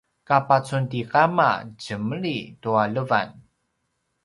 ka pacun ti kama djemli tua levan